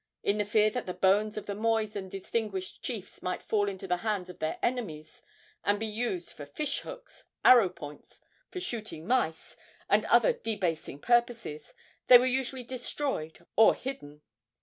In the fear that the bones of the mois and distinguished chiefs might fall into the hands of their enemies and be used for fish hooks, arrow points for shooting mice, and other debasing purposes, they were usually destroyed or hidden.